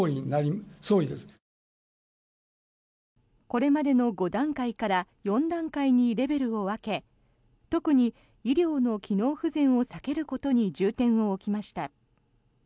これまでの５段階から４段階にレベルを分け特に医療の機能不全を避けることに重点を置きました。